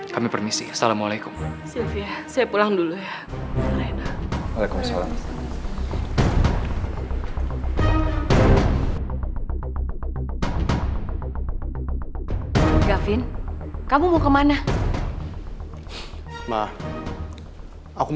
kami permisi assalamualaikum